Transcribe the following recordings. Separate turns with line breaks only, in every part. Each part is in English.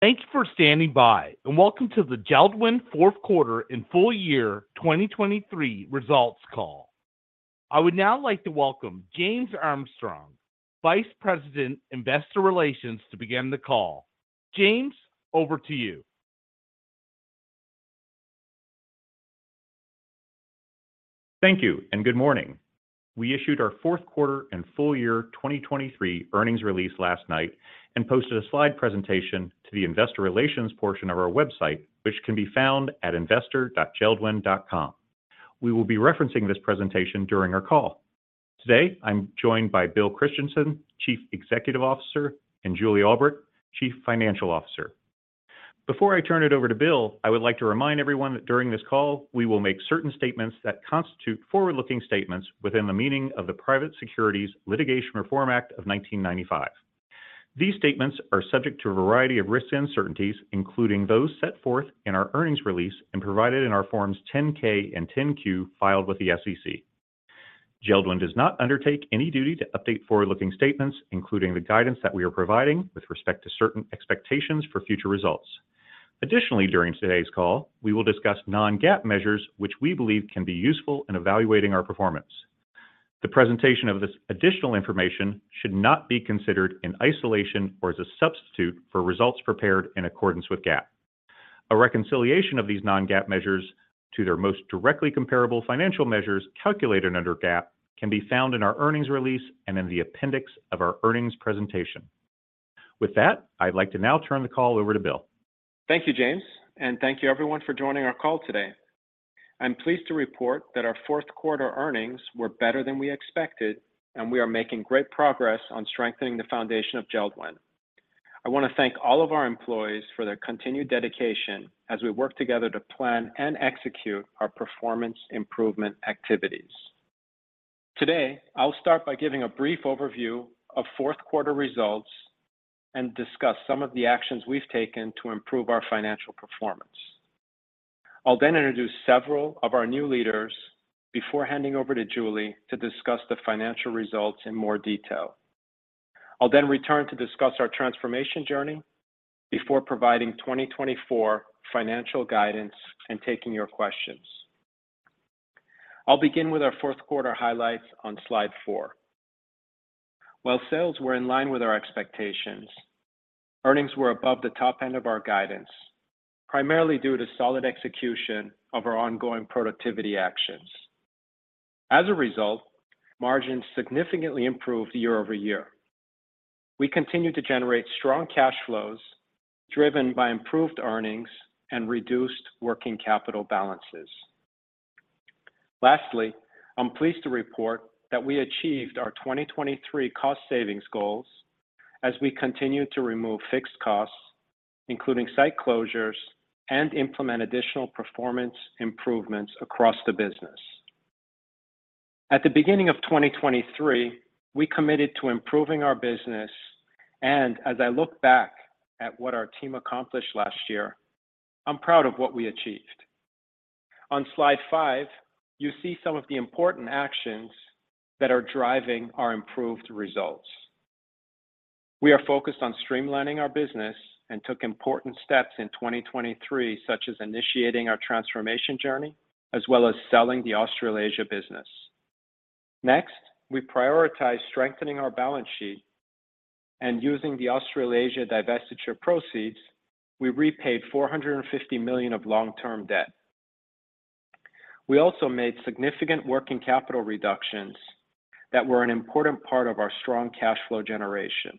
Thanks for standing by, and welcome to the JELD-WEN Q4 and full year 2023 results call. I would now like to welcome James Armstrong, Vice President, Investor Relations, to begin the call. James, over to you.
Thank you, and good morning. We issued our Q4 and full year 2023 earnings release last night and posted a slide presentation to the Investor Relations portion of our website, which can be found at investor.jeldwen.com. We will be referencing this presentation during our call. Today I'm joined by Bill Christensen, Chief Executive Officer, and Julie Albrecht, Chief Financial Officer. Before I turn it over to Bill, I would like to remind everyone that during this call we will make certain statements that constitute forward-looking statements within the meaning of the Private Securities Litigation Reform Act of 1995. These statements are subject to a variety of risks and uncertainties, including those set forth in our earnings release and provided in our Forms 10-K and 10-Q filed with the SEC. JELD-WEN does not undertake any duty to update forward-looking statements, including the guidance that we are providing with respect to certain expectations for future results. Additionally, during today's call we will discuss non-GAAP measures, which we believe can be useful in evaluating our performance. The presentation of this additional information should not be considered in isolation or as a substitute for results prepared in accordance with GAAP. A reconciliation of these non-GAAP measures to their most directly comparable financial measures calculated under GAAP can be found in our earnings release and in the appendix of our earnings presentation. With that, I'd like to now turn the call over to Bill.
Thank you, James, and thank you everyone for joining our call today. I'm pleased to report that our Q4 earnings were better than we expected, and we are making great progress on strengthening the foundation of JELD-WEN. I want to thank all of our employees for their continued dedication as we work together to plan and execute our performance improvement activities. Today I'll start by giving a brief overview of Q4 results and discuss some of the actions we've taken to improve our financial performance. I'll then introduce several of our new leaders before handing over to Julie to discuss the financial results in more detail. I'll then return to discuss our transformation journey before providing 2024 financial guidance and taking your questions. I'll begin with our Q4 highlights on slide four. While sales were in line with our expectations, earnings were above the top end of our guidance, primarily due to solid execution of our ongoing productivity actions. As a result, margins significantly improved year-over-year. We continue to generate strong cash flows driven by improved earnings and reduced working capital balances. Lastly, I'm pleased to report that we achieved our 2023 cost savings goals as we continue to remove fixed costs, including site closures, and implement additional performance improvements across the business. At the beginning of 2023, we committed to improving our business, and as I look back at what our team accomplished last year, I'm proud of what we achieved. On slide five, you see some of the important actions that are driving our improved results. We are focused on streamlining our business and took important steps in 2023, such as initiating our transformation journey as well as selling the Australasia business. Next, we prioritized strengthening our balance sheet, and using the Australasia divestiture proceeds, we repaid $450 million of long-term debt. We also made significant working capital reductions that were an important part of our strong cash flow generation.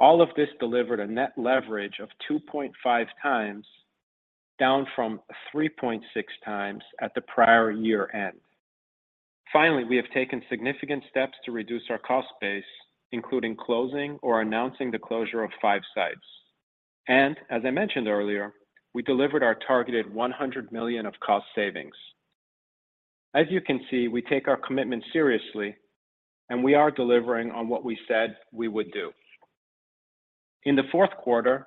All of this delivered a net leverage of 2.5x, down from 3.6x at the prior year end. Finally, we have taken significant steps to reduce our cost base, including closing or announcing the closure of five sites. As I mentioned earlier, we delivered our targeted $100 million of cost savings. As you can see, we take our commitment seriously, and we are delivering on what we said we would do. In the Q4,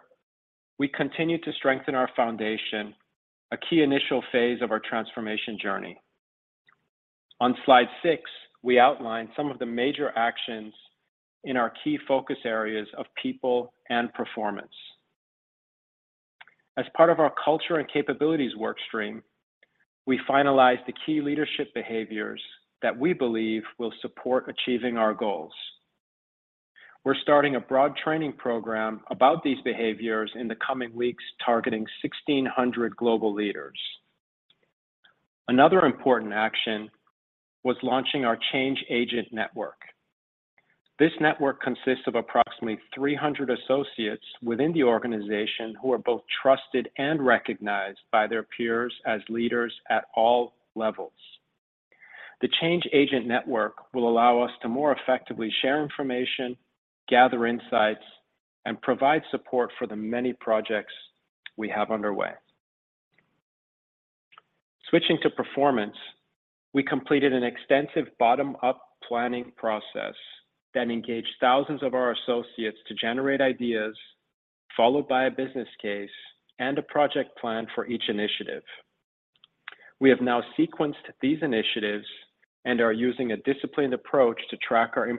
we continue to strengthen our foundation, a key initial phase of our transformation journey. On slide six, we outline some of the major actions in our key focus areas of people and performance. As part of our culture and capabilities workstream, we finalized the key leadership behaviors that we believe will support achieving our goals. We're starting a broad training program about these behaviors in the coming weeks, targeting 1,600 global leaders. Another important action was launching our Change Agent Network. This network consists of approximately 300 associates within the organization who are both trusted and recognized by their peers as leaders at all levels. The Change Agent Network will allow us to more effectively share information, gather insights, and provide support for the many projects we have underway. Switching to performance, we completed an extensive bottom-up planning process that engaged thousands of our associates to generate ideas, followed by a business case and a project plan for each initiative. We have now sequenced these initiatives and are using a disciplined approach to track our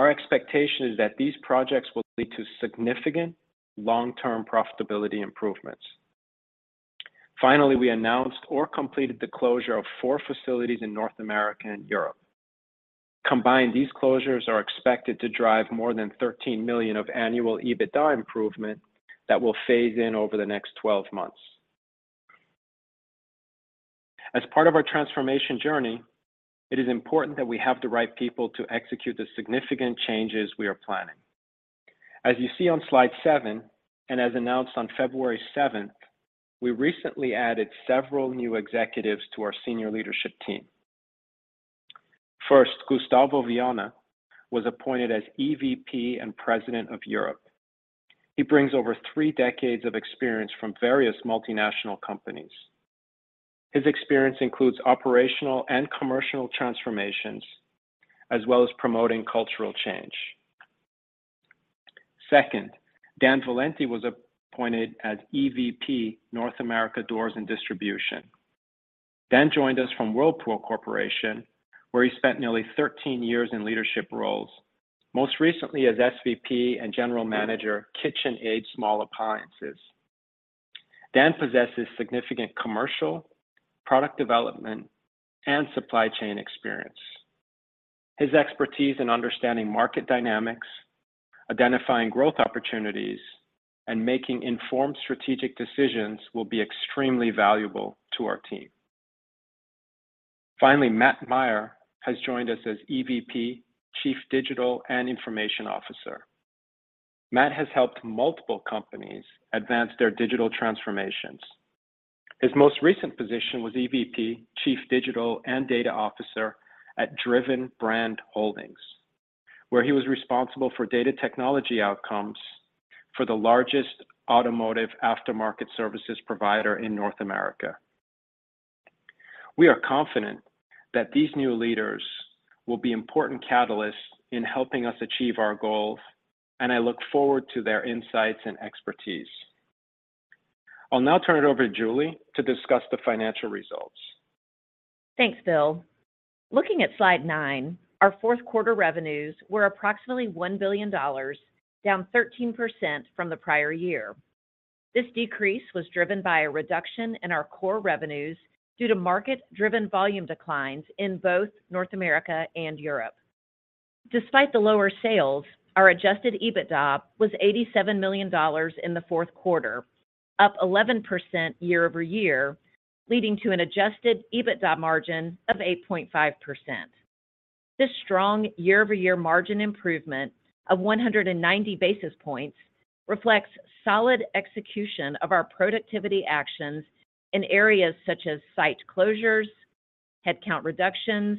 implementation progress. Our expectation is that these projects will lead to significant long-term profitability improvements. Finally, we announced or completed the closure of four facilities in North America and Europe. Combined, these closures are expected to drive more than $13 million of annual EBITDA improvement that will phase in over the next 12 months. As part of our transformation journey, it is important that we have the right people to execute the significant changes we are planning. As you see on slide seven, and as announced on February 7th, we recently added several new executives to our senior leadership team. First, Gustavo Vianna was appointed as EVP and President of Europe. He brings over three decades of experience from various multinational companies. His experience includes operational and commercial transformations, as well as promoting cultural change. Second, Dan Valenti was appointed as EVP North America Doors and Distribution. Dan joined us from Whirlpool Corporation, where he spent nearly 13 years in leadership roles, most recently as SVP and General Manager KitchenAid Small Appliances. Dan possesses significant commercial, product development, and supply chain experience. His expertise in understanding market dynamics, identifying growth opportunities, and making informed strategic decisions will be extremely valuable to our team. Finally, Matt Meyer has joined us as EVP Chief Digital and Information Officer. Matt has helped multiple companies advance their digital transformations. His most recent position was EVP Chief Digital and Data Officer at Driven Brands Holdings, where he was responsible for data technology outcomes for the largest automotive aftermarket services provider in North America. We are confident that these new leaders will be important catalysts in helping us achieve our goals, and I look forward to their insights and expertise. I'll now turn it over to Julie to discuss the financial results.
Thanks, Bill. Looking at slide nine, our Q4 revenues were approximately $1 billion, down 13% from the prior year. This decrease was driven by a reduction in our core revenues due to market-driven volume declines in both North America and Europe. Despite the lower sales, our Adjusted EBITDA was $87 million in the Q4, up 11% year-over-year, leading to an Adjusted EBITDA margin of 8.5%. This strong year-over-year margin improvement of 190 basis points reflects solid execution of our productivity actions in areas such as site closures, headcount reductions,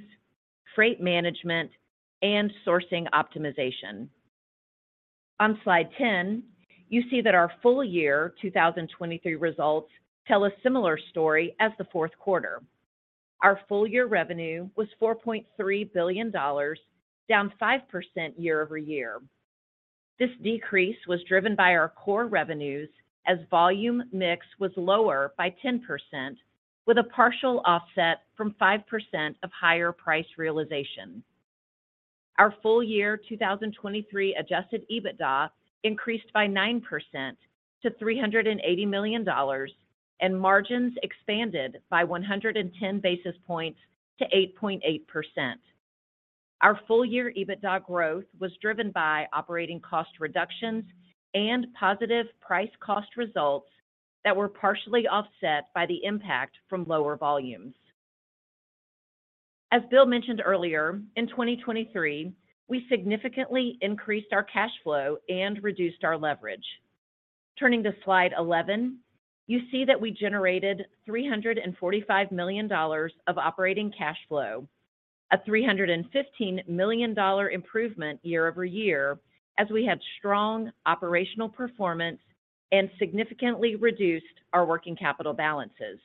freight management, and sourcing optimization. On slide 10, you see that our full year 2023 results tell a similar story as the Q4. Our full year revenue was $4.3 billion, down 5% year-over-year. This decrease was driven by our core revenues as volume mix was lower by 10%, with a partial offset from 5% of higher price realization. Our full year 2023 adjusted EBITDA increased by 9% to $380 million, and margins expanded by 110 basis points to 8.8%. Our full year EBITDA growth was driven by operating cost reductions and positive price-cost results that were partially offset by the impact from lower volumes. As Bill mentioned earlier, in 2023, we significantly increased our cash flow and reduced our leverage. Turning to slide 11, you see that we generated $345 million of operating cash flow, a $315 million improvement year-over-year as we had strong operational performance and significantly reduced our working capital balances.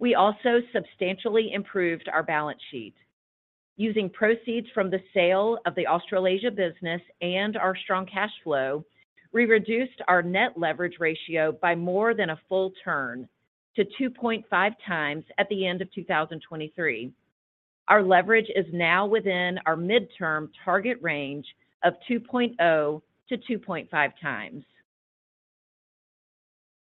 We also substantially improved our balance sheet. Using proceeds from the sale of the Australasia business and our strong cash flow, we reduced our net leverage ratio by more than a full turn to 2.5 times at the end of 2023. Our leverage is now within our mid-term target range of 2.0x to 2.5x.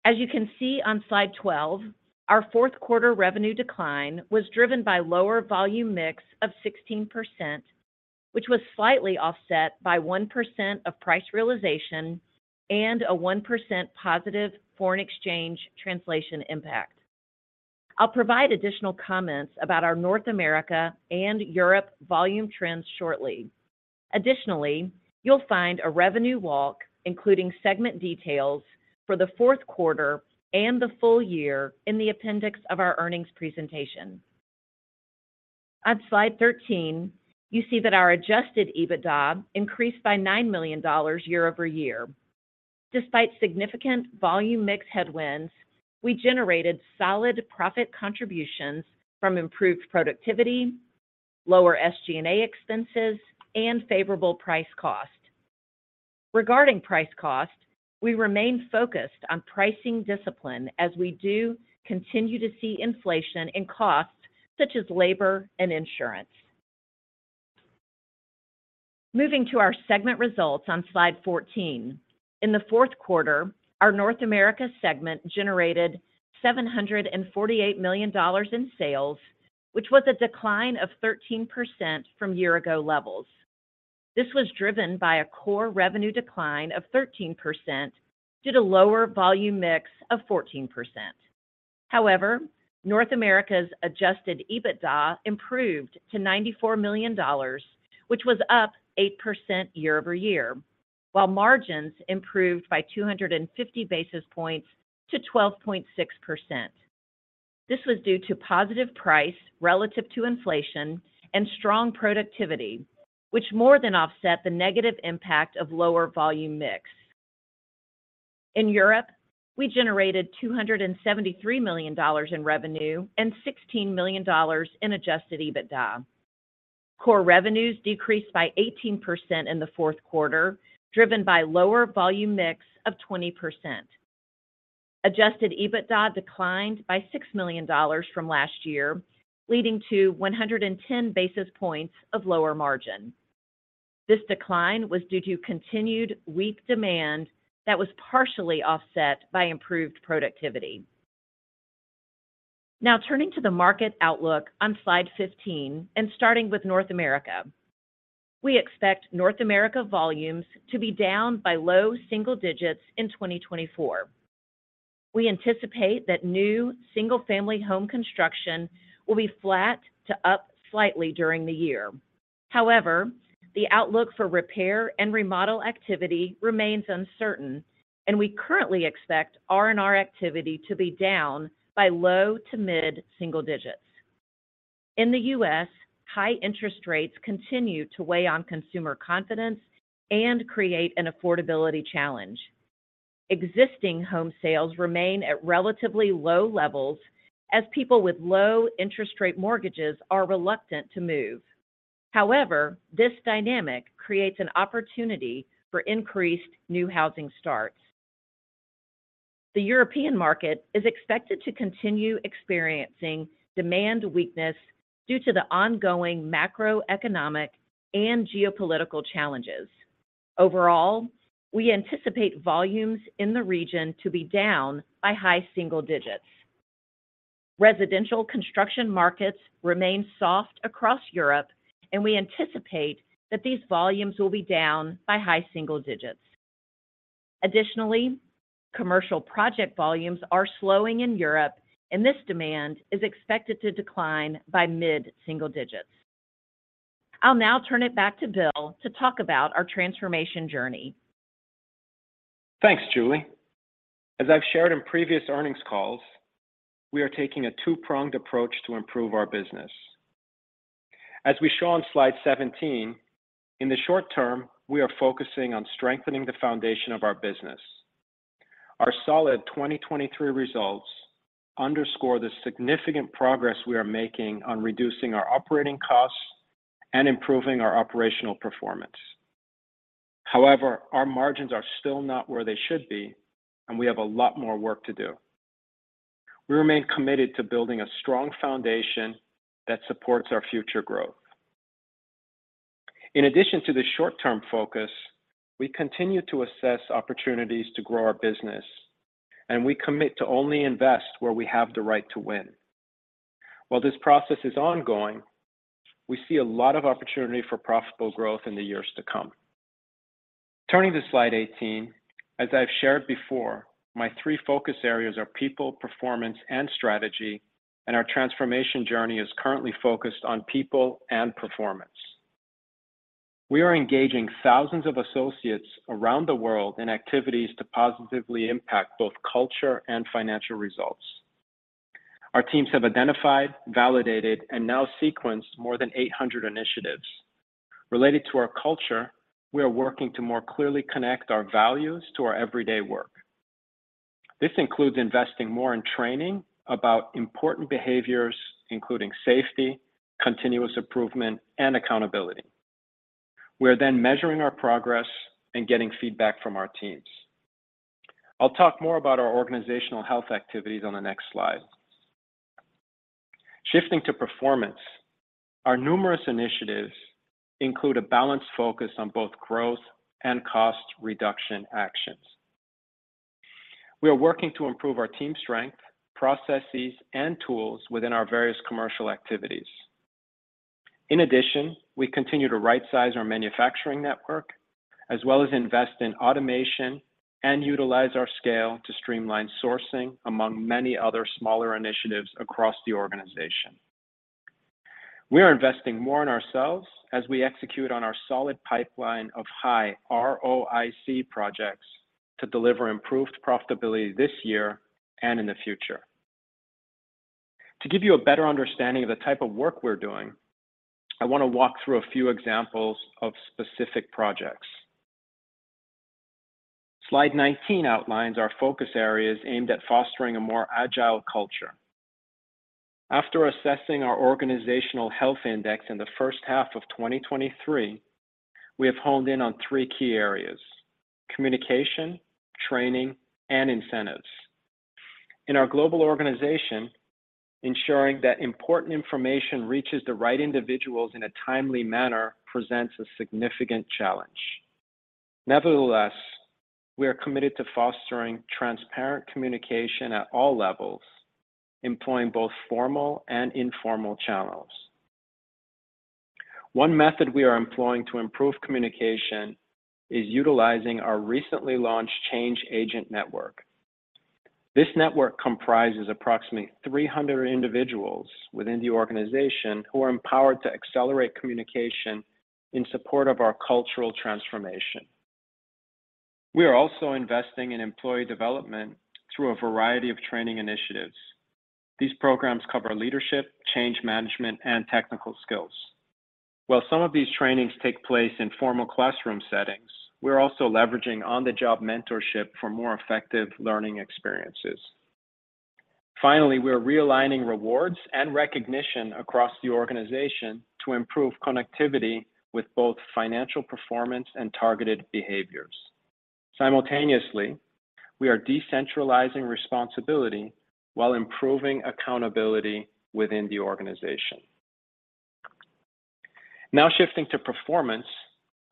As you can see on slide 12, our Q4 revenue decline was driven by lower volume mix of 16%, which was slightly offset by 1% of price realization and a 1% positive foreign exchange translation impact. I'll provide additional comments about our North America and Europe volume trends shortly. Additionally, you'll find a revenue walk including segment details for the Q4 and the full year in the appendix of our earnings presentation. On slide 13, you see that our Adjusted EBITDA increased by $9 million year-over-year. Despite significant volume mix headwinds, we generated solid profit contributions from improved productivity, lower SG&A expenses, and favorable price-cost. Regarding price cost, we remain focused on pricing discipline as we do continue to see inflation in costs such as labor and insurance. Moving to our segment results on slide 14, in the Q4, our North America segment generated $748 million in sales, which was a decline of 13% from year-ago levels. This was driven by a core revenue decline of 13% due to lower volume mix of 14%. However, North America's Adjusted EBITDA improved to $94 million, which was up 8% year-over-year, while margins improved by 250 basis points to 12.6%. This was due to positive price relative to inflation and strong productivity, which more than offset the negative impact of lower volume mix. In Europe, we generated $273 million in revenue and $16 million in adjusted EBITDA. Core revenues decreased by 18% in the Q4, driven by lower volume mix of 20%. Adjusted EBITDA declined by $6 million from last year, leading to 110 basis points of lower margin. This decline was due to continued weak demand that was partially offset by improved productivity. Now, turning to the market outlook on slide 15 and starting with North America, we expect North America volumes to be down by low single digits in 2024. We anticipate that new single-family home construction will be flat to up slightly during the year. However, the outlook for repair and remodel activity remains uncertain, and we currently expect R&R activity to be down by low to mid single digits. In the U.S., high interest rates continue to weigh on consumer confidence and create an affordability challenge. Existing home sales remain at relatively low levels as people with low interest rate mortgages are reluctant to move. However, this dynamic creates an opportunity for increased new housing starts. The European market is expected to continue experiencing demand weakness due to the ongoing macroeconomic and geopolitical challenges. Overall, we anticipate volumes in the region to be down by high single digits. Residential construction markets remain soft across Europe, and we anticipate that these volumes will be down by high single digits. Additionally, commercial project volumes are slowing in Europe, and this demand is expected to decline by mid single digits. I'll now turn it back to Bill to talk about our transformation journey.
Thanks, Julie. As I've shared in previous earnings calls, we are taking a two-pronged approach to improve our business. As we show on slide 17, in the short term, we are focusing on strengthening the foundation of our business. Our solid 2023 results underscore the significant progress we are making on reducing our operating costs and improving our operational performance. However, our margins are still not where they should be, and we have a lot more work to do. We remain committed to building a strong foundation that supports our future growth. In addition to the short-term focus, we continue to assess opportunities to grow our business, and we commit to only invest where we have the right to win. While this process is ongoing, we see a lot of opportunity for profitable growth in the years to come. Turning to slide 18, as I've shared before, my three focus areas are people, performance, and strategy, and our transformation journey is currently focused on people and performance. We are engaging thousands of associates around the world in activities to positively impact both culture and financial results. Our teams have identified, validated, and now sequenced more than 800 initiatives. Related to our culture, we are working to more clearly connect our values to our everyday work. This includes investing more in training about important behaviors, including safety, continuous improvement, and accountability. We are then measuring our progress and getting feedback from our teams. I'll talk more about our organizational health activities on the next slide. Shifting to performance, our numerous initiatives include a balanced focus on both growth and cost reduction actions. We are working to improve our team strength, processes, and tools within our various commercial activities. In addition, we continue to right-size our manufacturing network, as well as invest in automation and utilize our scale to streamline sourcing, among many other smaller initiatives across the organization. We are investing more in ourselves as we execute on our solid pipeline of high ROIC projects to deliver improved profitability this year and in the future. To give you a better understanding of the type of work we're doing, I want to walk through a few examples of specific projects. Slide 19 outlines our focus areas aimed at fostering a more agile culture. After assessing our Organizational Health Index in the first half of 2023, we have honed in on three key areas: communication, training, and incentives. In our global organization, ensuring that important information reaches the right individuals in a timely manner presents a significant challenge. Nevertheless, we are committed to fostering transparent communication at all levels, employing both formal and informal channels. One method we are employing to improve communication is utilizing our recently launched Change Agent Network. This network comprises approximately 300 individuals within the organization who are empowered to accelerate communication in support of our cultural transformation. We are also investing in employee development through a variety of training initiatives. These programs cover leadership, change management, and technical skills. While some of these trainings take place in formal classroom settings, we're also leveraging on-the-job mentorship for more effective learning experiences. Finally, we are realigning rewards and recognition across the organization to improve connectivity with both financial performance and targeted behaviors. Simultaneously, we are decentralizing responsibility while improving accountability within the organization. Now, shifting to performance,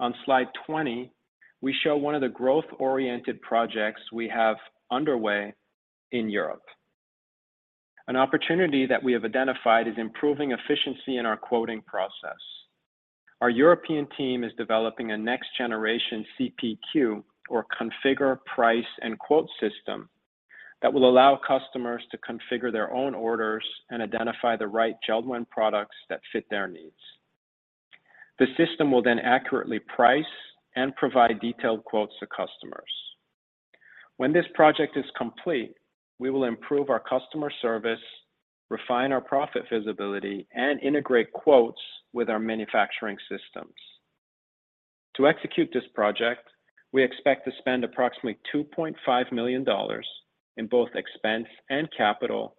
on slide 20, we show one of the growth-oriented projects we have underway in Europe. An opportunity that we have identified is improving efficiency in our quoting process. Our European team is developing a next-generation CPQ, or Configure Price and Quote System, that will allow customers to configure their own orders and identify the right JELD-WEN products that fit their needs. The system will then accurately price and provide detailed quotes to customers. When this project is complete, we will improve our customer service, refine our profit visibility, and integrate quotes with our manufacturing systems. To execute this project, we expect to spend approximately $2.5 million in both expense and capital,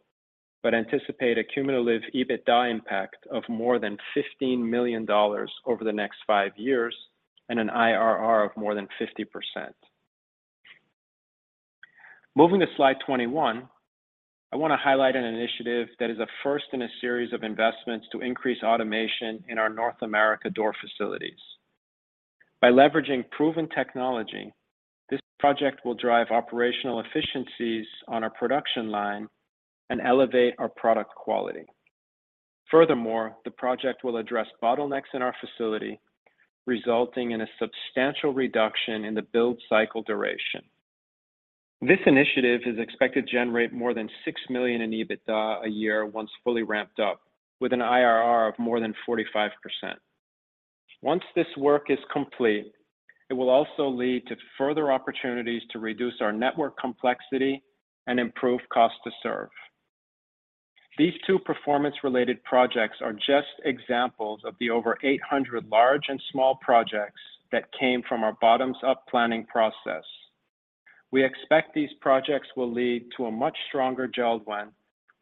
but anticipate a cumulative EBITDA impact of more than $15 million over the next 5 years and an IRR of more than 50%. Moving to slide 21, I want to highlight an initiative that is a first in a series of investments to increase automation in our North America door facilities. By leveraging proven technology, this project will drive operational efficiencies on our production line and elevate our product quality. Furthermore, the project will address bottlenecks in our facility, resulting in a substantial reduction in the build cycle duration. This initiative is expected to generate more than $6 million in EBITDA a year once fully ramped up, with an IRR of more than 45%. Once this work is complete, it will also lead to further opportunities to reduce our network complexity and improve Cost to Serve. These two performance-related projects are just examples of the over 800 large and small projects that came from our bottoms-up planning process. We expect these projects will lead to a much stronger JELD-WEN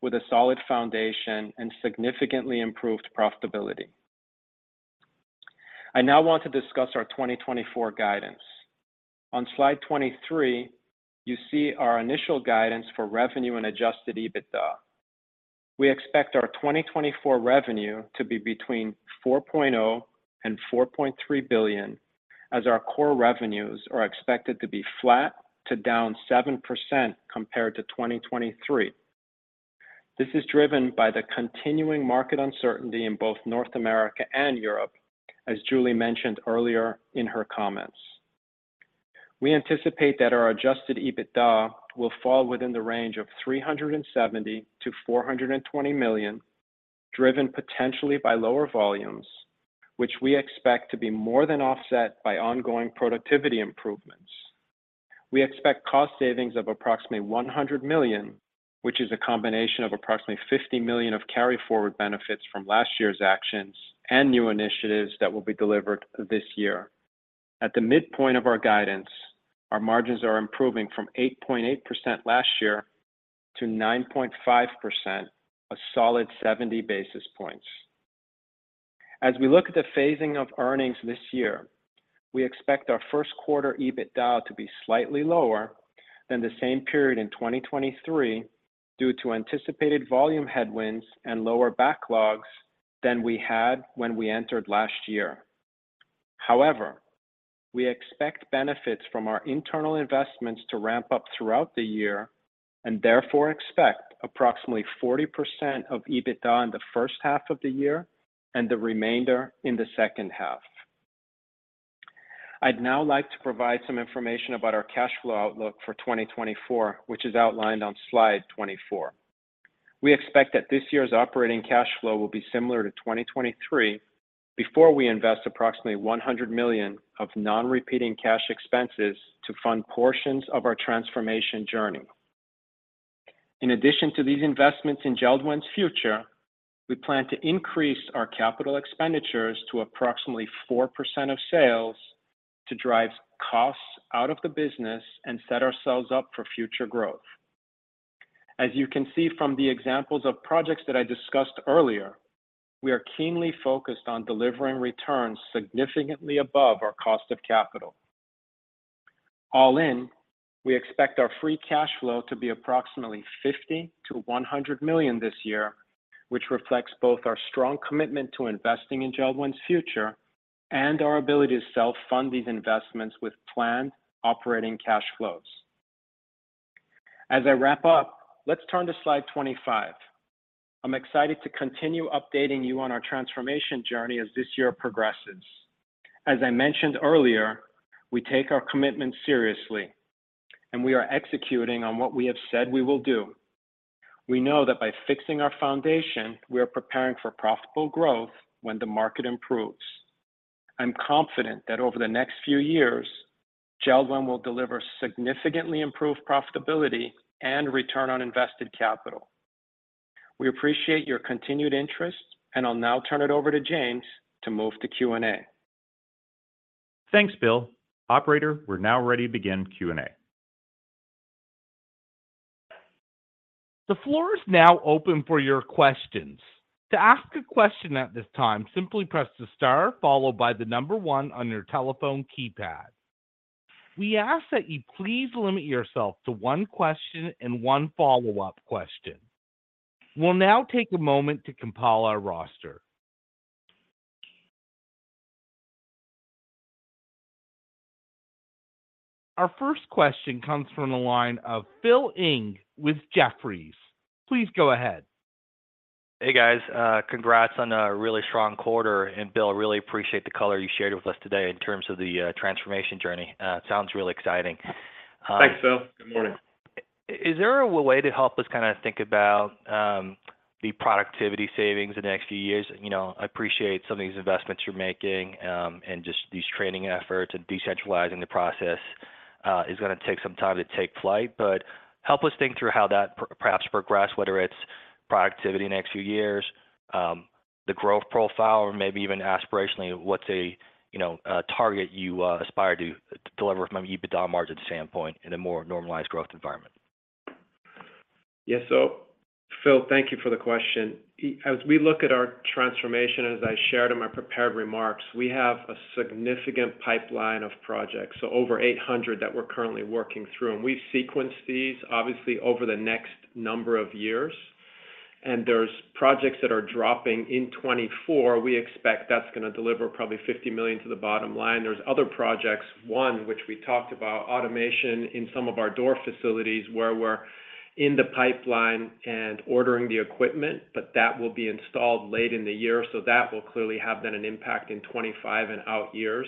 with a solid foundation and significantly improved profitability. I now want to discuss our 2024 guidance. On slide 23, you see our initial guidance for revenue and Adjusted EBITDA. We expect our 2024 revenue to be between $4.0billion to 4.3 billion, as our core revenues are expected to be flat to down 7% compared to 2023. This is driven by the continuing market uncertainty in both North America and Europe, as Julie mentioned earlier in her comments. We anticipate that our Adjusted EBITDA will fall within the range of $370 million to 420 million, driven potentially by lower volumes, which we expect to be more than offset by ongoing productivity improvements. We expect cost savings of approximately $100 million, which is a combination of approximately $50 million of carry-forward benefits from last year's actions and new initiatives that will be delivered this year. At the midpoint of our guidance, our margins are improving from 8.8% to 9.5%, a solid 70 basis points. As we look at the phasing of earnings this year, we expect our Q1 EBITDA to be slightly lower than the same period in 2023 due to anticipated volume headwinds and lower backlogs than we had when we entered last year. However, we expect benefits from our internal investments to ramp up throughout the year and therefore expect approximately 40% of EBITDA in the first half of the year and the remainder in the second half. I'd now like to provide some information about our cash flow outlook for 2024, which is outlined on slide 24. We expect that this year's operating cash flow will be similar to 2023 before we invest approximately $100 million of non-repeating cash expenses to fund portions of our transformation journey. In addition to these investments in JELD-WEN's future, we plan to increase our capital expenditures to approximately 4% of sales to drive costs out of the business and set ourselves up for future growth. As you can see from the examples of projects that I discussed earlier, we are keenly focused on delivering returns significantly above our cost of capital. All in, we expect our free cash flow to be approximately $50 million to $100 million this year, which reflects both our strong commitment to investing in JELD-WEN's future and our ability to self-fund these investments with planned operating cash flows. As I wrap up, let's turn to slide 25. I'm excited to continue updating you on our transformation journey as this year progresses. As I mentioned earlier, we take our commitment seriously, and we are executing on what we have said we will do. We know that by fixing our foundation, we are preparing for profitable growth when the market improves. I'm confident that over the next few years, JELD-WEN will deliver significantly improved profitability and return on invested capital. We appreciate your continued interest, and I'll now turn it over to James to move to Q&A.
Thanks, Bill. Operator, we're now ready to begin Q&A.
The floor is now open for your questions. To ask a question at this time, simply press the star, followed by the number one on your telephone keypad. We ask that you please limit yourself to one question and one follow-up question. We'll now take a moment to compile our roster. Our first question comes from the line of Philip Ng with Jefferies. Please go ahead.
Hey guys, congrats on a really strong quarter, and Bill, really appreciate the color you shared with us today in terms of the transformation journey. Sounds really exciting.
Thanks, Phil. Good morning.
Is there a way to help us kind of think about the productivity savings in the next few years? I appreciate some of these investments you're making, and just these training efforts and decentralizing the process is going to take some time to take flight, but help us think through how that perhaps progresses, whether it's productivity in the next few years, the growth profile, or maybe even aspirationally what's a target you aspire to deliver from an EBITDA margin standpoint in a more normalized growth environment.
Yes, so. Phil, thank you for the question. As we look at our transformation, as I shared in my prepared remarks, we have a significant pipeline of projects, so over 800 that we're currently working through. We've sequenced these, obviously, over the next number of years. There's projects that are dropping in 2024. We expect that's going to deliver probably $50 million to the bottom line. There's other projects, one, which we talked about, automation in some of our door facilities where we're in the pipeline and ordering the equipment, but that will be installed late in the year, so that will clearly have then an impact in 2025 and out years.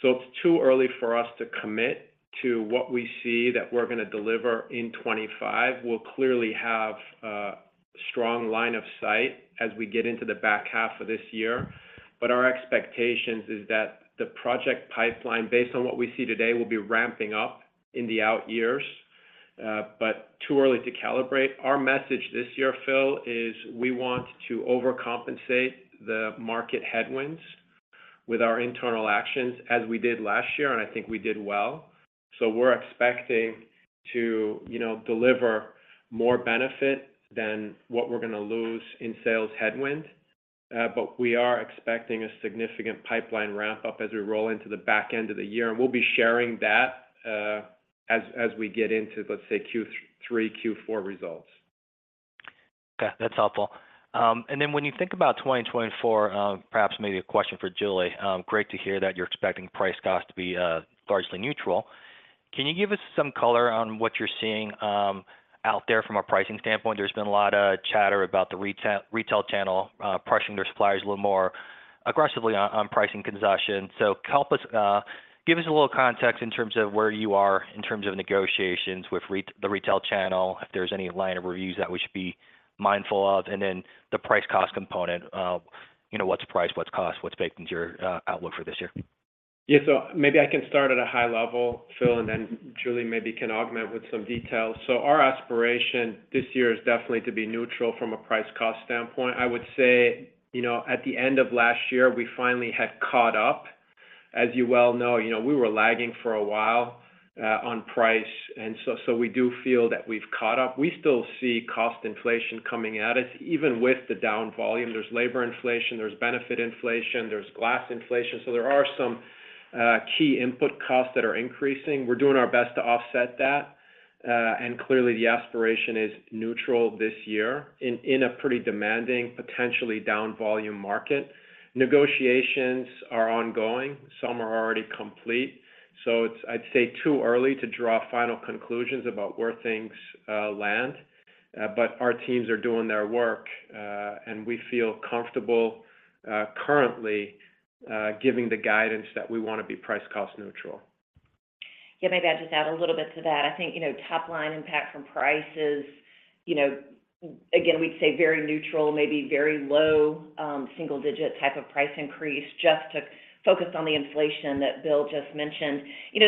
It's too early for us to commit to what we see that we're going to deliver in 2025. We'll clearly have a strong line of sight as we get into the back half of this year, but our expectations is that the project pipeline, based on what we see today, will be ramping up in the out years, but too early to calibrate. Our message this year, Phil, is we want to overcompensate the market headwinds with our internal actions as we did last year, and I think we did well. So we're expecting to deliver more benefit than what we're going to lose in sales headwind, but we are expecting a significant pipeline ramp-up as we roll into the back end of the year, and we'll be sharing that as we get into, let's say, Q3, Q4 results.
Okay. That's helpful. And then when you think about 2024, perhaps maybe a question for Julie. Great to hear that you're expecting price costs to be largely neutral. Can you give us some color on what you're seeing out there from a pricing standpoint? There's been a lot of chatter about the retail channel pressuring their suppliers a little more aggressively on pricing consumption. So help us give a little context in terms of where you are in terms of negotiations with the retail channel, if there's any line of reviews that we should be mindful of, and then the price cost component. What's price? What's cost? What's baked into your outlook for this year?
Yes, so maybe I can start at a high level, Phil, and then Julie maybe can augment with some details. So our aspiration this year is definitely to be neutral from a price cost standpoint. I would say at the end of last year, we finally had caught up. As you well know, we were lagging for a while on price, and so we do feel that we've caught up. We still see cost inflation coming at us even with the down volume. There's labor inflation, there's benefit inflation, there's glass inflation, so there are some key input costs that are increasing. We're doing our best to offset that, and clearly, the aspiration is neutral this year in a pretty demanding, potentially down volume market. Negotiations are ongoing. Some are already complete, so I'd say too early to draw final conclusions about where things land, but our teams are doing their work, and we feel comfortable currently giving the guidance that we want to be price cost neutral.
Yeah, maybe I'll just add a little bit to that. I think top line impact from price is, again, we'd say very neutral, maybe very low single-digit type of price increase just to focus on the inflation that Bill just mentioned.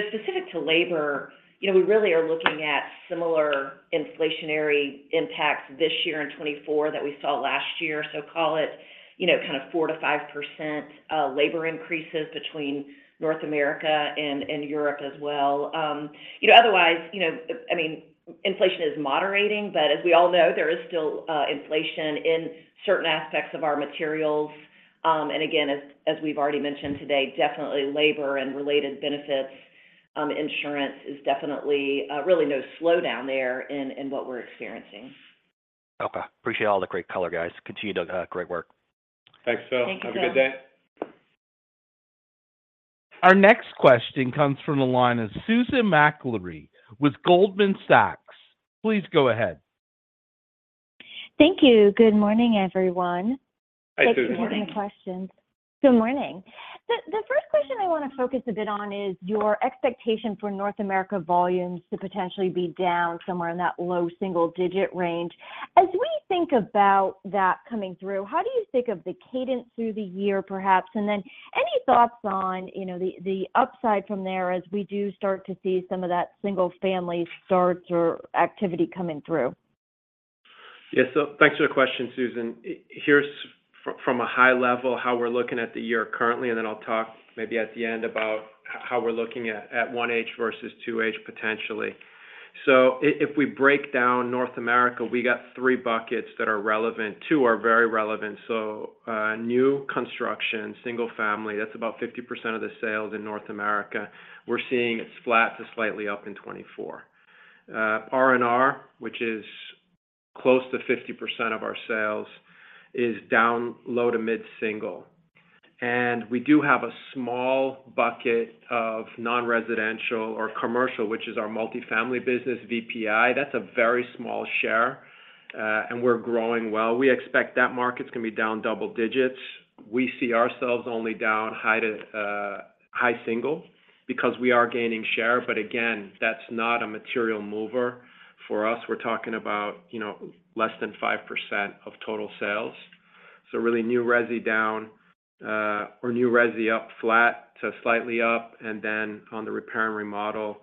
Specific to labor, we really are looking at similar inflationary impacts this year and 2024 that we saw last year, so call it kind of 4% to 5% labor increases between North America and Europe as well. Otherwise, I mean, inflation is moderating, but as we all know, there is still inflation in certain aspects of our materials. And again, as we've already mentioned today, definitely labor and related benefits, insurance is definitely really no slowdown there in what we're experiencing.
Okay. Appreciate all the great color, guys. Continue to do great work.
Thanks, Phil.
Thank you, guys.
Have a good day.
Our next question comes from the line of Susan Maklari with Goldman Sachs. Please go ahead.
Thank you. Good morning, everyone.
Hi, Susan.
Thanks for sending the questions. Good morning. The first question I want to focus a bit on is your expectation for North America volumes to potentially be down somewhere in that low single-digit range. As we think about that coming through, how do you think of the cadence through the year, perhaps? And then any thoughts on the upside from there as we do start to see some of that single-family starts or activity coming through?
Yes, so thanks for the question, Susan. Here's from a high level how we're looking at the year currently, and then I'll talk maybe at the end about how we're looking at 1H versus 2H potentially. So if we break down North America, we got three buckets that are relevant to or very relevant. So new construction, single-family, that's about 50% of the sales in North America. We're seeing it's flat to slightly up in 2024. R&R, which is close to 50% of our sales, is down low to mid-single. And we do have a small bucket of non-residential or commercial, which is our multifamily business VPI. That's a very small share, and we're growing well. We expect that market's going to be down double digits. We see ourselves only down high single because we are gaining share, but again, that's not a material mover for us. We're talking about less than 5% of total sales. So really new resi down or new resi up, flat to slightly up, and then on the repair and remodel,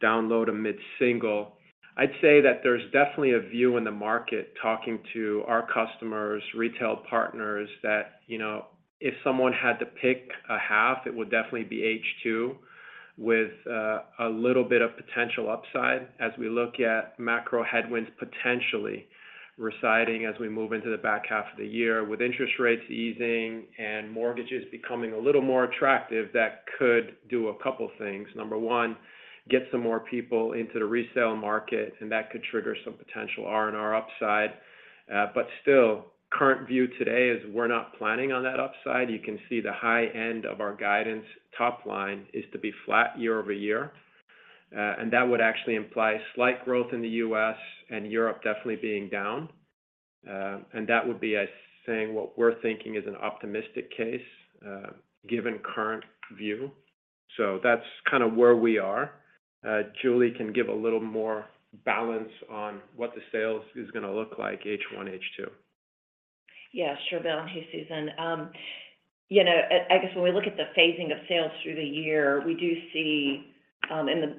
down low to mid-single. I'd say that there's definitely a view in the market talking to our customers, retail partners, that if someone had to pick a half, it would definitely be H2 with a little bit of potential upside as we look at macro headwinds potentially residing as we move into the back half of the year. With interest rates easing and mortgages becoming a little more attractive, that could do a couple of things. Number one, get some more people into the resale market, and that could trigger some potential R&R upside. But still, current view today is we're not planning on that upside. You can see the high end of our guidance top line is to be flat year-over-year, and that would actually imply slight growth in the U.S. and Europe definitely being down. And that would be, I'd say, what we're thinking is an optimistic case given current view. So that's kind of where we are. Julie can give a little more balance on what the sales is going to look like, H1, H2.
Yeah, sure, Bill. Hey, Susan. I guess when we look at the phasing of sales through the year, we do see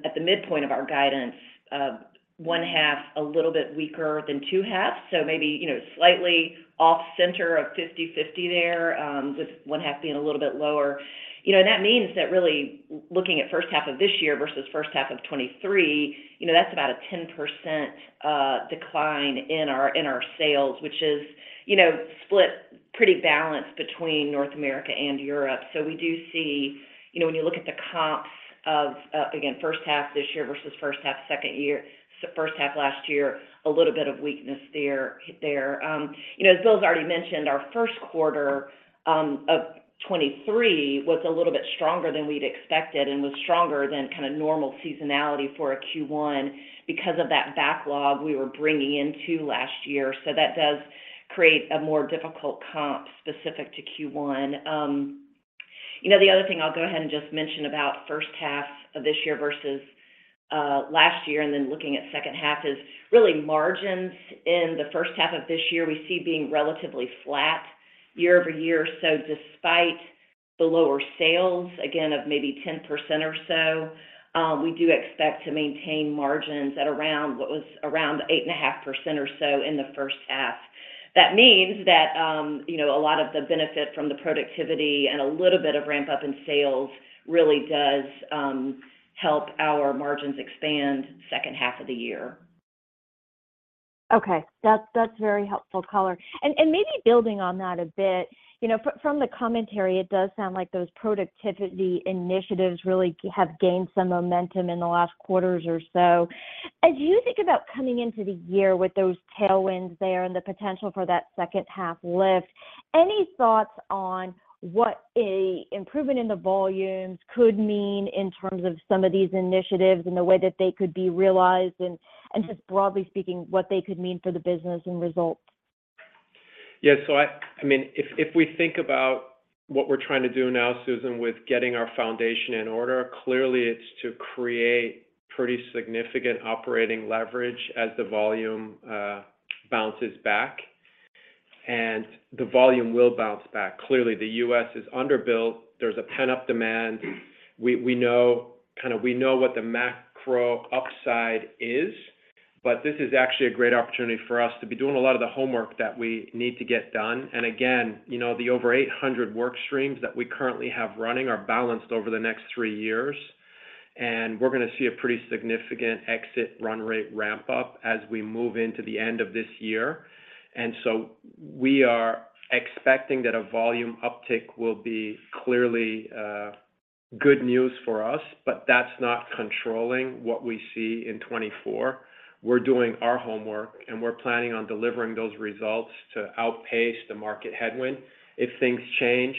at the midpoint of our guidance, first half a little bit weaker than second half, so maybe slightly off-center of 50/50 there with first half being a little bit lower. And that means that really looking at first half of this year versus first half of 2023, that's about a 10% decline in our sales, which is split pretty balanced between North America and Europe. So we do see when you look at the comps of, again, first half this year versus first half second year, first half last year, a little bit of weakness there. As Bill's already mentioned, our Q1 of 2023 was a little bit stronger than we'd expected and was stronger than kind of normal seasonality for a Q1 because of that backlog we were bringing into last year. So that does create a more difficult comp specific to Q1. The other thing I'll go ahead and just mention about first half of this year versus last year and then looking at second half is really margins in the first half of this year we see being relatively flat year-over-year. So despite the lower sales, again, of maybe 10% or so, we do expect to maintain margins at around what was around 8.5% or so in the first half. That means that a lot of the benefit from the productivity and a little bit of ramp-up in sales really does help our margins expand second half of the year.
Okay. That's very helpful color. And maybe building on that a bit, from the commentary, it does sound like those productivity initiatives really have gained some momentum in the last quarters or so. As you think about coming into the year with those tailwinds there and the potential for that second half lift, any thoughts on what improvement in the volumes could mean in terms of some of these initiatives and the way that they could be realized, and just broadly speaking, what they could mean for the business and results?
Yes, so I mean, if we think about what we're trying to do now, Susan, with getting our foundation in order, clearly, it's to create pretty significant operating leverage as the volume bounces back. The volume will bounce back. Clearly, the U.S. is underbuilt. There's a pent-up demand. We know kind of what the macro upside is, but this is actually a great opportunity for us to be doing a lot of the homework that we need to get done. Again, the over 800 work streams that we currently have running are balanced over the next 3 years, and we're going to see a pretty significant exit run rate ramp-up as we move into the end of this year. So we are expecting that a volume uptick will be clearly good news for us, but that's not controlling what we see in 2024. We're doing our homework, and we're planning on delivering those results to outpace the market headwind. If things change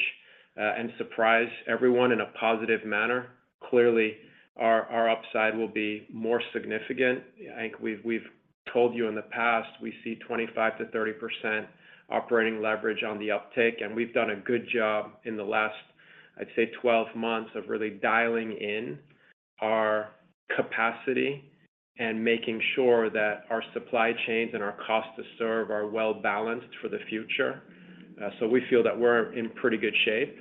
and surprise everyone in a positive manner, clearly, our upside will be more significant. I think we've told you in the past we see 25% to 30% operating leverage on the uptake, and we've done a good job in the last, I'd say, 12 months of really dialing in our capacity and making sure that our supply chains and our cost to serve are well balanced for the future. So we feel that we're in pretty good shape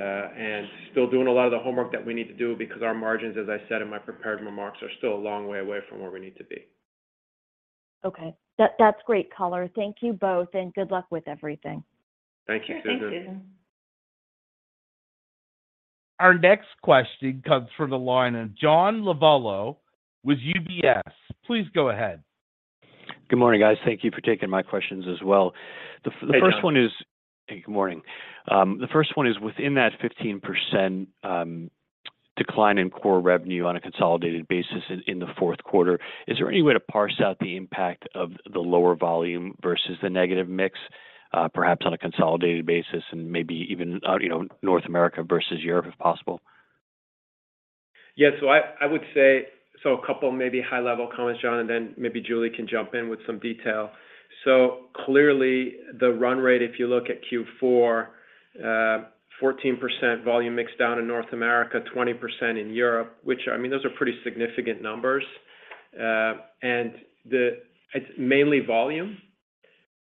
and still doing a lot of the homework that we need to do because our margins, as I said in my prepared remarks, are still a long way away from where we need to be.
Okay. That's great color. Thank you both, and good luck with everything.
Thank you, Susan.
Thanks, Susan.
Our next question comes from the line of John Lovallo with UBS. Please go ahead.
Good morning, guys. Thank you for taking my questions as well. The first one is hey, good morning. The first one is within that 15% decline in core revenue on a consolidated basis in the Q4, is there any way to parse out the impact of the lower volume versus the negative mix, perhaps on a consolidated basis and maybe even North America versus Europe if possible?
Yes, so I would say so a couple maybe high-level comments, John, and then maybe Julie can jump in with some detail. So clearly, the run rate, if you look at Q4, 14% volume mixed down in North America, 20% in Europe, which I mean, those are pretty significant numbers. And it's mainly volume.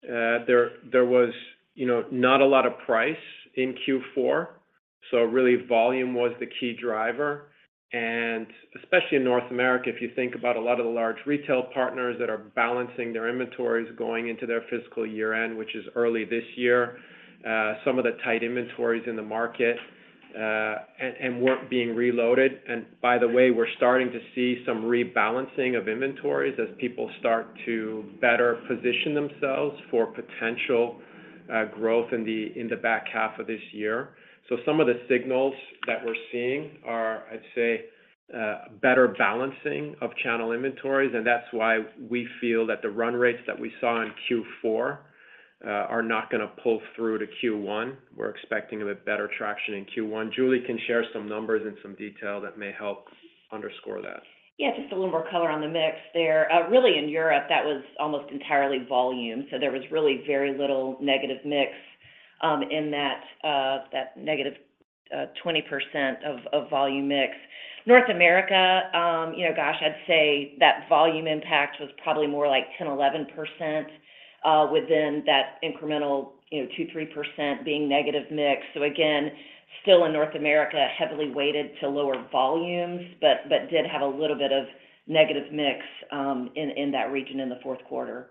There was not a lot of price in Q4, so really volume was the key driver. And especially in North America, if you think about a lot of the large retail partners that are balancing their inventories going into their fiscal year-end, which is early this year, some of the tight inventories in the market weren't being reloaded. And by the way, we're starting to see some rebalancing of inventories as people start to better position themselves for potential growth in the back half of this year. Some of the signals that we're seeing are, I'd say, better balancing of channel inventories, and that's why we feel that the run rates that we saw in Q4 are not going to pull through to Q1. We're expecting a bit better traction in Q1. Julie can share some numbers and some detail that may help underscore that.
Yeah, just a little more color on the mix there. Really, in Europe, that was almost entirely volume, so there was really very little negative mix in that negative 20% of volume mix. North America, gosh, I'd say that volume impact was probably more like 10%, 11% within that incremental 2%, 3% being negative mix. So again, still in North America, heavily weighted to lower volumes but did have a little bit of negative mix in that region in the Q4.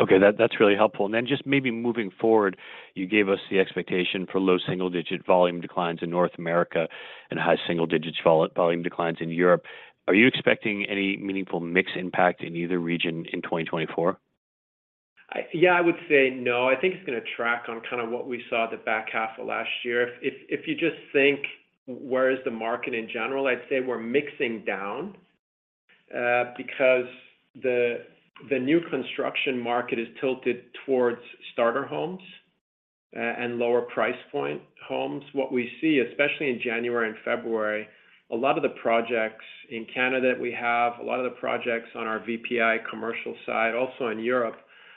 Okay. That's really helpful. And then just maybe moving forward, you gave us the expectation for low single-digit volume declines in North America and high single-digit volume declines in Europe. Are you expecting any meaningful mix impact in either region in 2024?
Yeah, I would say no. I think it's going to track on kind of what we saw at the back half of last year. If you just think where is the market in general, I'd say we're mixing down because the new construction market is tilted towards starter homes and lower-price point homes. What we see, especially in January and February, a lot of the projects in Canada that we have, a lot of the projects on our VPI commercial side, also in Europe,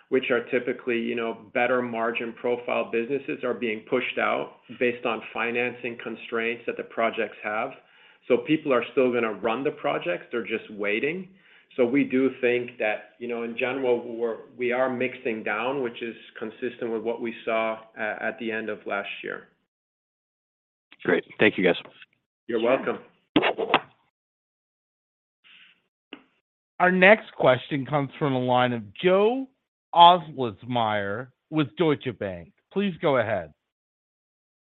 which are typically better margin profile businesses, are being pushed out based on financing constraints that the projects have. So people are still going to run the projects. They're just waiting. So we do think that in general, we are mixing down, which is consistent with what we saw at the end of last year.
Great. Thank you, guys.
You're welcome.
Our next question comes from the line of Joe Ahlersmeyer with Deutsche Bank. Please go ahead.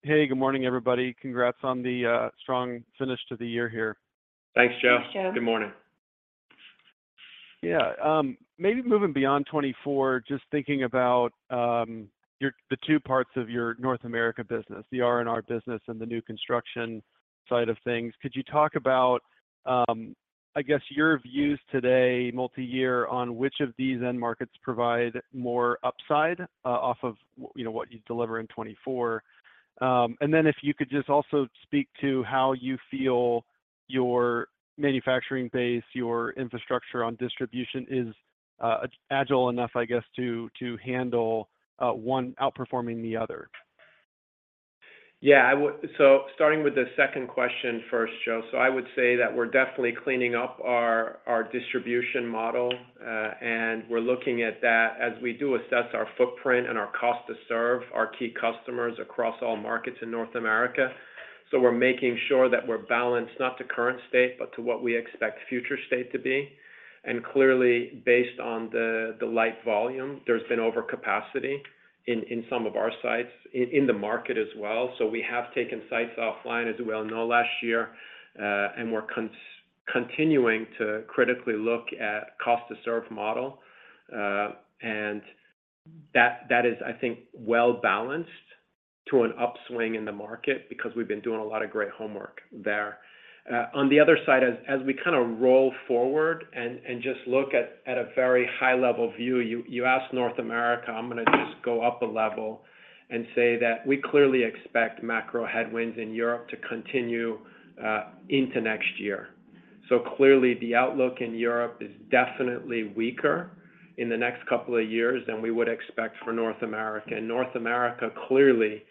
Hey, good morning, everybody. Congrats on the strong finish to the year here.
Thanks, Joe.
Thanks, Joe.
Good morning.
Yeah. Maybe moving beyond 2024, just thinking about the two parts of your North America business, the R&R business and the new construction side of things, could you talk about, I guess, your views today, multi-year, on which of these end markets provide more upside off of what you deliver in 2024? And then if you could just also speak to how you feel your manufacturing base, your infrastructure on distribution is agile enough, I guess, to handle one outperforming the other.
Yeah. So starting with the second question first, Joe. So I would say that we're definitely cleaning up our distribution model, and we're looking at that as we do assess our footprint and our Cost to Serve our key customers across all markets in North America. So we're making sure that we're balanced not to current state but to what we expect future state to be. And clearly, based on the light volume, there's been overcapacity in some of our sites in the market as well. So we have taken sites offline, as we all know, last year, and we're continuing to critically look at Cost-to-Serve model. And that is, I think, well balanced to an upswing in the market because we've been doing a lot of great homework there. On the other side, as we kind of roll forward and just look at a very high-level view, you asked North America. I'm going to just go up a level and say that we clearly expect macro headwinds in Europe to continue into next year. So clearly, the outlook in Europe is definitely weaker in the next couple of years than we would expect for North America. And North America, clearly,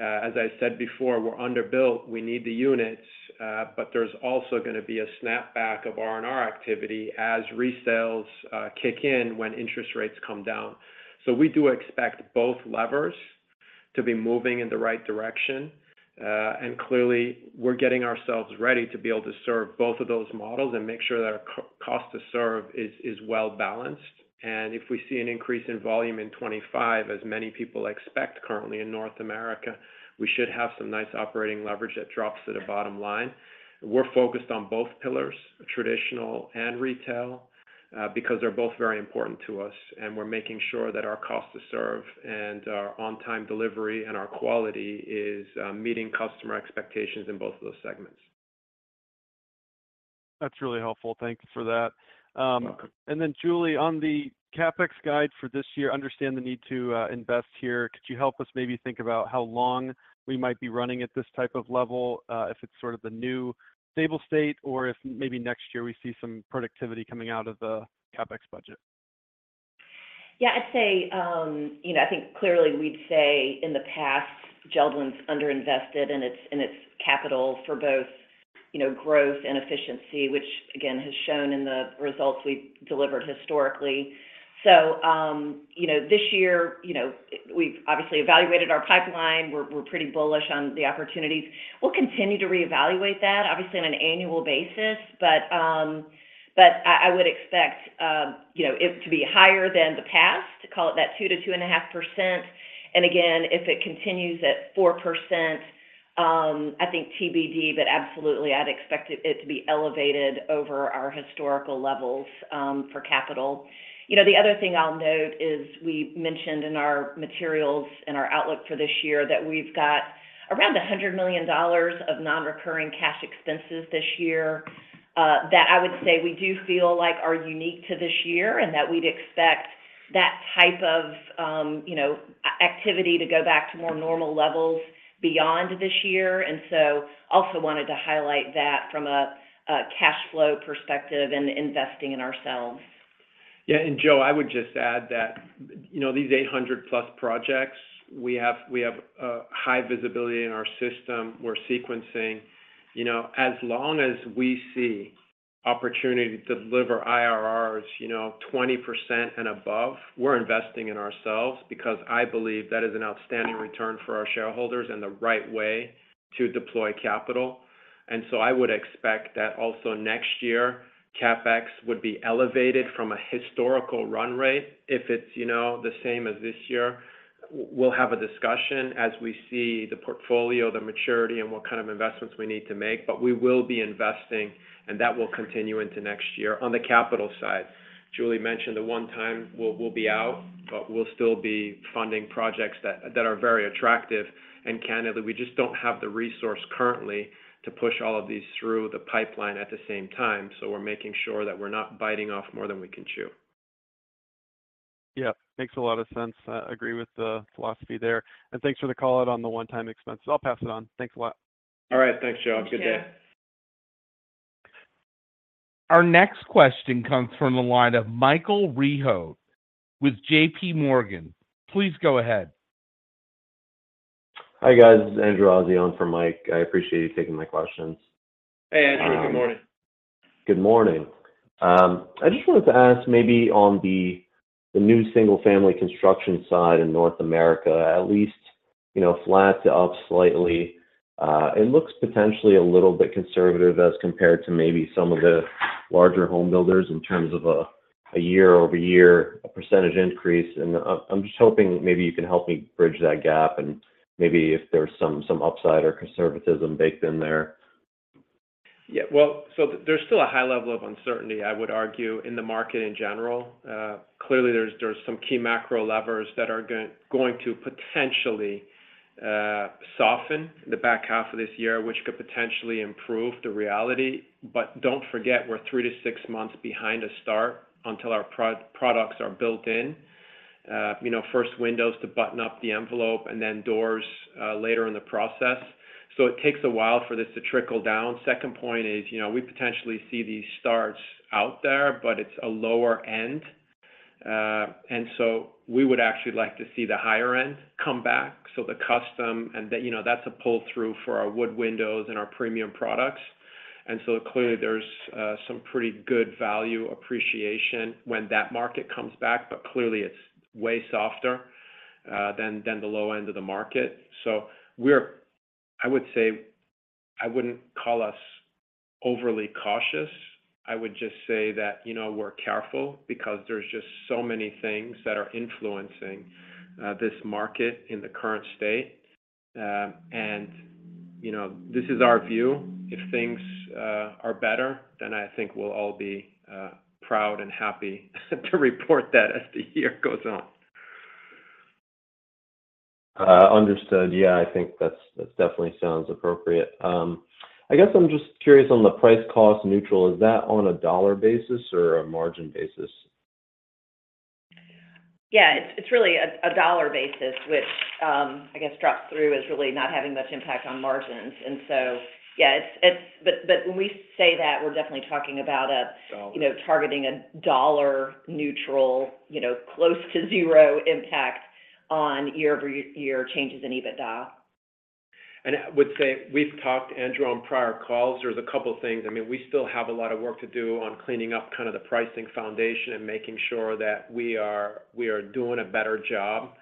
as I said before, we're underbuilt. We need the units, but there's also going to be a snapback of R&R activity as resales kick in when interest rates come down. So we do expect both levers to be moving in the right direction. And clearly, we're getting ourselves ready to be able to serve both of those models and make sure that our Cost to Serve is well balanced. If we see an increase in volume in 2025, as many people expect currently in North America, we should have some nice operating leverage that drops at a bottom line. We're focused on both pillars, traditional and retail, because they're both very important to us. We're making sure that our cost to serve and our on-time delivery and our quality is meeting customer expectations in both of those segments.
That's really helpful. Thanks for that. And then, Julie, on the CapEx guide for this year, understand the need to invest here. Could you help us maybe think about how long we might be running at this type of level if it's sort of the new stable state or if maybe next year we see some productivity coming out of the CapEx budget?
Yeah, I'd say I think clearly, we'd say in the past, JELD-WEN's underinvested in its capital for both growth and efficiency, which, again, has shown in the results we've delivered historically. So this year, we've obviously evaluated our pipeline. We're pretty bullish on the opportunities. We'll continue to reevaluate that, obviously, on an annual basis, but I would expect it to be higher than the past, call it that 2% to 2.5%. And again, if it continues at 4%, I think TBD, but absolutely, I'd expect it to be elevated over our historical levels for capital. The other thing I'll note is we mentioned in our materials and our outlook for this year that we've got around $100 million of non-recurring cash expenses this year that I would say we do feel are unique to this year and that we'd expect that type of activity to go back to more normal levels beyond this year. And so also wanted to highlight that from a cash flow perspective and investing in ourselves.
Yeah. And Joe, I would just add that these 800+ projects, we have high visibility in our system. We're sequencing. As long as we see opportunity to deliver IRRs 20% and above, we're investing in ourselves because I believe that is an outstanding return for our shareholders and the right way to deploy capital. And so I would expect that also next year, CapEx would be elevated from a historical run rate. If it's the same as this year, we'll have a discussion as we see the portfolio, the maturity, and what kind of investments we need to make. But we will be investing, and that will continue into next year on the capital side. Julie mentioned the one-time will be out, but we'll still be funding projects that are very attractive. Candidly, we just don't have the resource currently to push all of these through the pipeline at the same time. We're making sure that we're not biting off more than we can chew.
Yeah. Makes a lot of sense. Agree with the philosophy there. Thanks for the call out on the one-time expenses. I'll pass it on. Thanks a lot.
All right. Thanks, Joe. Have a good day.
Our next question comes from the line of Michael Rehaut with JPMorgan. Please go ahead.
Hi, guys. Andrew Azzi for Mike. I appreciate you taking my questions.
Hey, Andrew. Good morning.
Good morning. I just wanted to ask maybe on the new single-family construction side in North America, at least flat to up slightly, it looks potentially a little bit conservative as compared to maybe some of the larger homebuilders in terms of a year-over-year percentage increase. And I'm just hoping maybe you can help me bridge that gap and maybe if there's some upside or conservatism baked in there.
Yeah. Well, so there's still a high level of uncertainty, I would argue, in the market in general. Clearly, there's some key macro levers that are going to potentially soften in the back half of this year, which could potentially improve the reality. But don't forget we're 3 to 6 months behind a start until our products are built in, first windows to button up the envelope, and then doors later in the process. So it takes a while for this to trickle down. Second point is we potentially see these starts out there, but it's a lower end. And so we would actually like to see the higher end come back. So the custom, and that's a pull-through for our wood windows and our premium products. Clearly, there's some pretty good value appreciation when that market comes back, but clearly, it's way softer than the low end of the market. I would say I wouldn't call us overly cautious. I would just say that we're careful because there's just so many things that are influencing this market in the current state. This is our view. If things are better, then I think we'll all be proud and happy to report that as the year goes on.
Understood. Yeah, I think that definitely sounds appropriate. I guess I'm just curious on the price-cost neutral, is that on a dollar basis or a margin basis?
Yeah, it's really a dollar basis, which I guess drops through as really not having much impact on margins. And so yeah, but when we say that, we're definitely talking about targeting a dollar-neutral, close to zero impact on year-over-year changes in EBITDA.
And I would say we've talked, Andrew, on prior calls. There's a couple of things. I mean, we still have a lot of work to do on cleaning up kind of the pricing foundation and making sure that we are doing a better job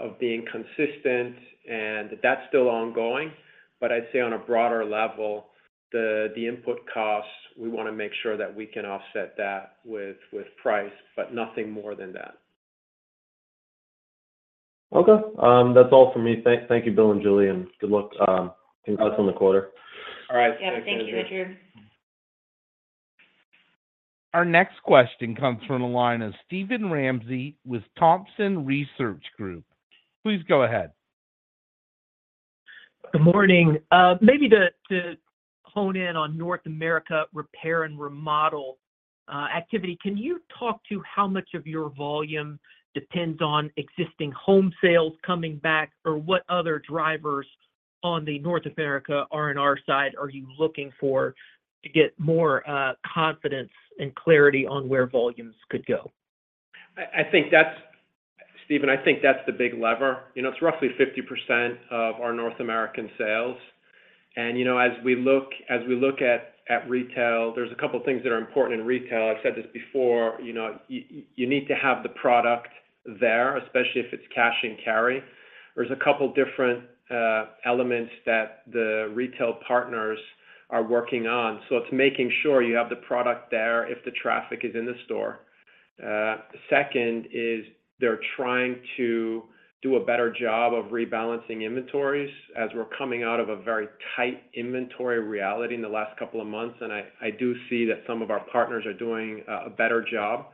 of being consistent. And that's still ongoing. But I'd say on a broader level, the input costs, we want to make sure that we can offset that with price, but nothing more than that.
Okay. That's all from me. Thank you, Bill and Julie, and good luck. Congrats on the quarter.
All right. Thanks, Andrew.
Yeah. Thank you, Andrew.
Our next question comes from the line of Steven Ramsey with Thompson Research Group. Please go ahead.
Good morning. Maybe to hone in on North America repair and remodel activity, can you talk to how much of your volume depends on existing home sales coming back or what other drivers on the North America R&R side are you looking for to get more confidence and clarity on where volumes could go?
I think that's, Steven, I think that's the big lever. It's roughly 50% of our North American sales. As we look at retail, there's a couple of things that are important in retail. I've said this before. You need to have the product there, especially if it's cash and carry. There's a couple of different elements that the retail partners are working on. So it's making sure you have the product there if the traffic is in the store. Second is they're trying to do a better job of rebalancing inventories as we're coming out of a very tight inventory reality in the last couple of months. I do see that some of our partners are doing a better job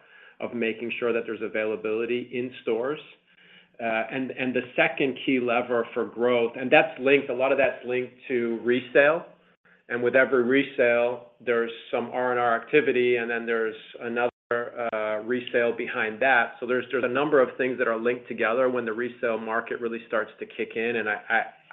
of making sure that there's availability in stores. The second key lever for growth, and a lot of that's linked to resale. With every resale, there's some R&R activity, and then there's another resale behind that. So there's a number of things that are linked together when the resale market really starts to kick in. And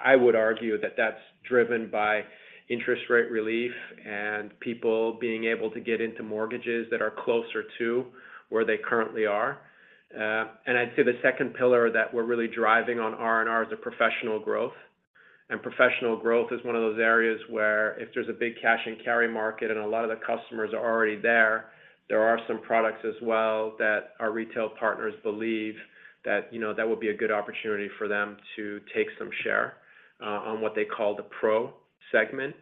I would argue that that's driven by interest rate relief and people being able to get into mortgages that are closer to where they currently are. And I'd say the second pillar that we're really driving on R&R is the professional growth. And professional growth is one of those areas where if there's a big cash and carry market and a lot of the customers are already there, there are some products as well that our retail partners believe that would be a good opportunity for them to take some share on what they call the pro segment.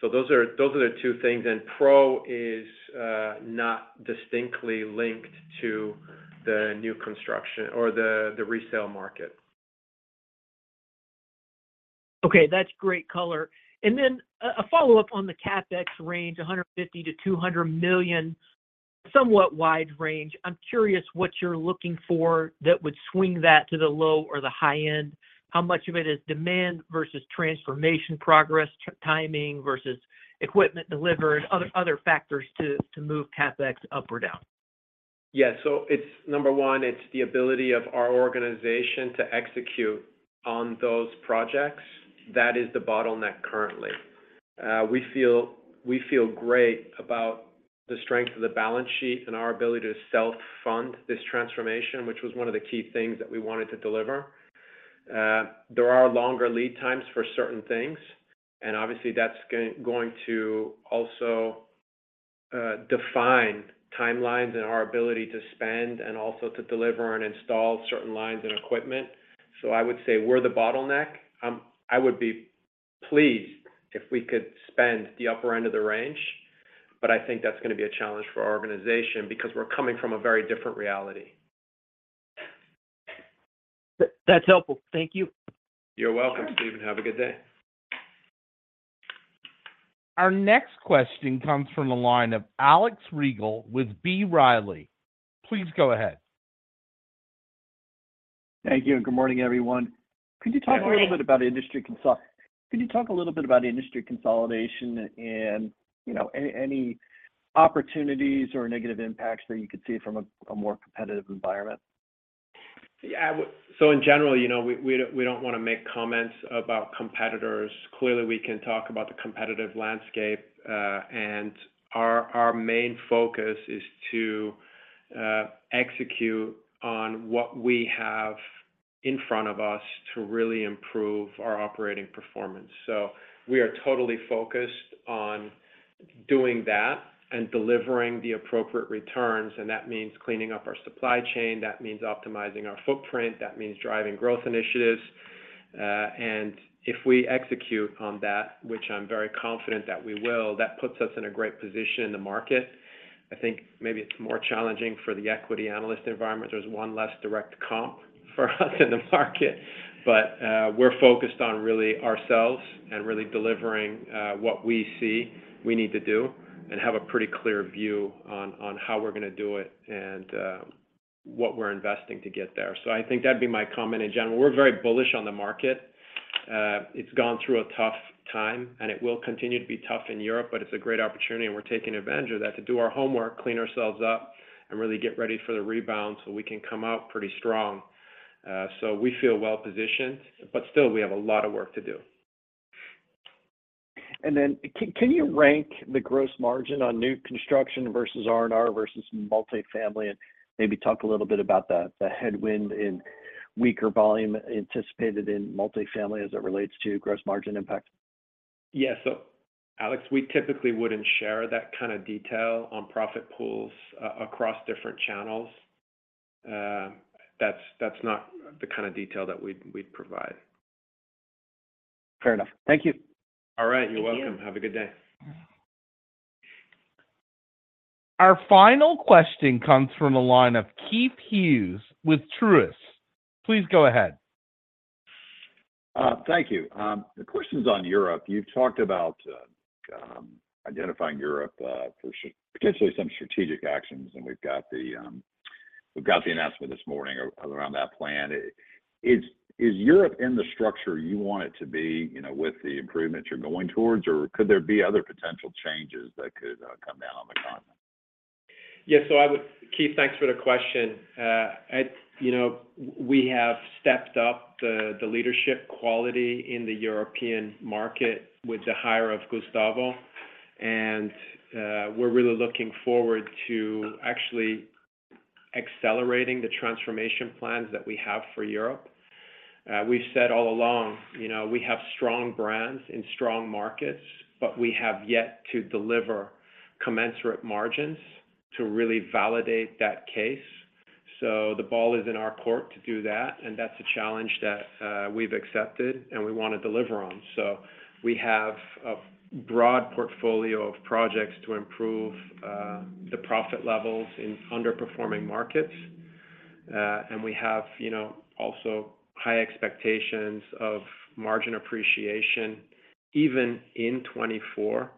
So those are the two things. Pro is not distinctly linked to the new construction or the resale market.
Okay. That's great color. And then a follow-up on the CapEx range, $150 million to 200 million, somewhat wide range. I'm curious what you're looking for that would swing that to the low or the high end? How much of it is demand versus transformation progress, timing versus equipment delivered, other factors to move CapEx up or down?
Yeah. Number one, it's the ability of our organization to execute on those projects. That is the bottleneck currently. We feel great about the strength of the balance sheet and our ability to self-fund this transformation, which was one of the key things that we wanted to deliver. There are longer lead times for certain things. Obviously, that's going to also define timelines and our ability to spend and also to deliver and install certain lines and equipment. I would say we're the bottleneck. I would be pleased if we could spend the upper end of the range, but I think that's going to be a challenge for our organization because we're coming from a very different reality.
That's helpful. Thank you.
You're welcome, Stephen. Have a good day.
Our next question comes from the line of Alex Rygiel with B. Riley. Please go ahead.
Thank you. Good morning, everyone. Could you talk a little bit about industry consolidation and any opportunities or negative impacts that you could see from a more competitive environment?
Yeah. So in general, we don't want to make comments about competitors. Clearly, we can talk about the competitive landscape. And our main focus is to execute on what we have in front of us to really improve our operating performance. So we are totally focused on doing that and delivering the appropriate returns. And that means cleaning up our supply chain. That means optimizing our footprint. That means driving growth initiatives. And if we execute on that, which I'm very confident that we will, that puts us in a great position in the market. I think maybe it's more challenging for the equity analyst environment. There's one less direct comp for us in the market. But we're focused on really ourselves and really delivering what we see we need to do and have a pretty clear view on how we're going to do it and what we're investing to get there. So I think that'd be my comment in general. We're very bullish on the market. It's gone through a tough time, and it will continue to be tough in Europe, but it's a great opportunity, and we're taking advantage of that to do our homework, clean ourselves up, and really get ready for the rebound so we can come out pretty strong. So we feel well-positioned, but still, we have a lot of work to do.
And then can you rank the gross margin on new construction versus R&R versus multifamily and maybe talk a little bit about the headwind in weaker volume anticipated in multifamily as it relates to gross margin impact?
Yeah. So Alex, we typically wouldn't share that kind of detail on profit pools across different channels. That's not the kind of detail that we'd provide.
Fair enough. Thank you.
All right. You're welcome. Have a good day.
Our final question comes from the line of Keith Hughes with Truist. Please go ahead.
Thank you. The question's on Europe. You've talked about identifying Europe for potentially some strategic actions, and we've got the announcement this morning around that plan. Is Europe in the structure you want it to be with the improvements you're going towards, or could there be other potential changes that could come down on the continent?
Yeah. So Keith, thanks for the question. We have stepped up the leadership quality in the European market with the hire of Gustavo, and we're really looking forward to actually accelerating the transformation plans that we have for Europe. We've said all along, we have strong brands in strong markets, but we have yet to deliver commensurate margins to really validate that case. So the ball is in our court to do that, and that's a challenge that we've accepted and we want to deliver on. So we have a broad portfolio of projects to improve the profit levels in underperforming markets. And we have also high expectations of margin appreciation even in 2024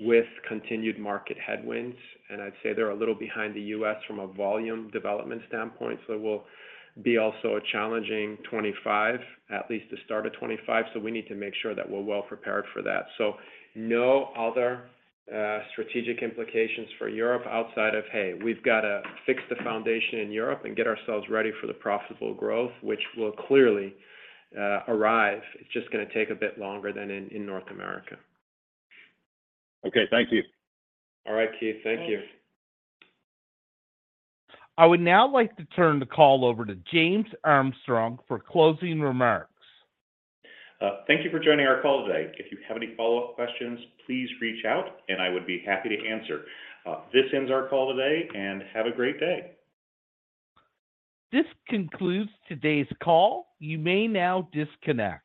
with continued market headwinds. And I'd say they're a little behind the U.S. from a volume development standpoint. So it will be also a challenging 2025, at least to start a 2025. So we need to make sure that we're well-prepared for that. So no other strategic implications for Europe outside of, "Hey, we've got to fix the foundation in Europe and get ourselves ready for the profitable growth," which will clearly arrive. It's just going to take a bit longer than in North America.
Okay. Thank you.
All right, Keith. Thank you.
I would now like to turn the call over to James Armstrong for closing remarks.
Thank you for joining our call today. If you have any follow-up questions, please reach out, and I would be happy to answer. This ends our call today, and have a great day.
This concludes today's call. You may now disconnect.